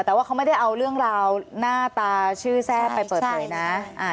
แต่ว่าเขาไม่ได้เอาเรื่องราวหน้าตาชื่อแซ่บไปเปิดเผยนะ